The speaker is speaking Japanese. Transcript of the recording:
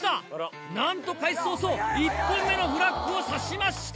なんと開始早々１本目のフラッグをさしました！